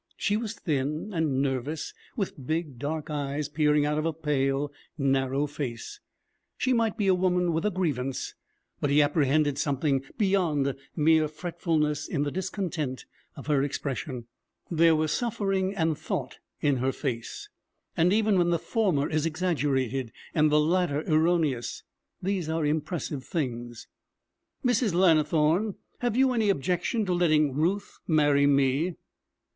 She was thin and nervous, with big dark eyes peering out of a pale, narrow face; she might be a woman with a grievance, but he apprehended something beyond mere fretfulness in the discontent of her expression. There was suffering and thought in her face, and even when the former is exaggerated and the latter erroneous, these are impressive things. 'Mrs. Lannithorne, have you any objection to letting Ruth marry me?'